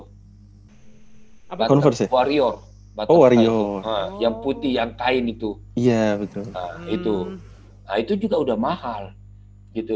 hai apa konversi warrior warrior yang putih yang kain itu iya betul itu itu juga udah mahal gitu